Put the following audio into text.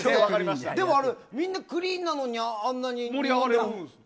みんなクリーンなのにあんな盛り上がるんですか。